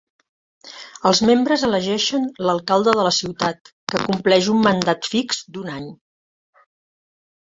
Els membres elegeixen l'alcalde de la ciutat, que compleix un mandat fix d'un any.